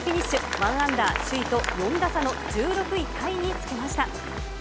１アンダー、首位と４打差の１６位タイにつけました。